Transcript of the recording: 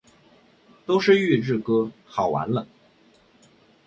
都是预制歌，好完了！